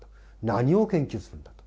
何を研究するんだと。